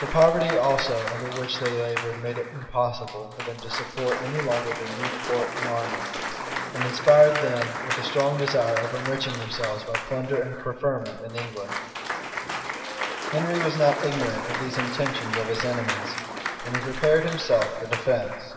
The poverty also under which they labored, made it impossible for them to support any longer their new court and army, and inspired them with a strong desire of enriching themselves by plunder and preferment in England. * Polyd. Virg. p. 572, 573. Henry was not ignorant of these intentions of his enemies, and he prepared himself for defence.